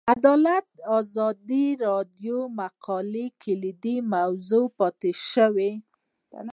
عدالت د ازادي راډیو د مقالو کلیدي موضوع پاتې شوی.